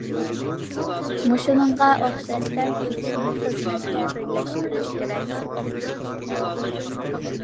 مۇشۇنىڭغا ئوخشاش دەم ئېلىشنى خىزمەتكە بىرلەشتۈرۈش كېرەك.